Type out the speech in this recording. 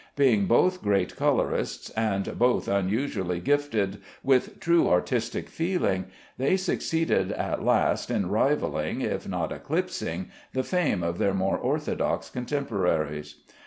Being both great colorists, and both unusually gifted with true artistic feeling, they succeeded at last in rivalling, if not eclipsing, the fame of their more orthodox contemporaries.